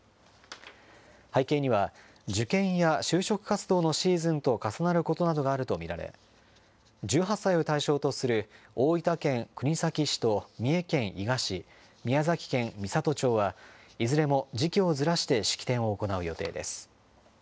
背景には、受験や就職活動のシーズンと重なることなどがあると見られ、１８歳を対象とする大分県国東市と三重県伊賀市、宮崎県美郷町は、いずれも時期をずらして式典を行う予定です。